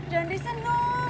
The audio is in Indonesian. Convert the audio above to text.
jangan resign dong